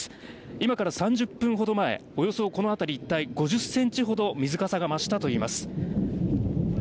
今から３０分ほど前およそこの辺り一帯５０ｃｍほど水かさが増したといいます。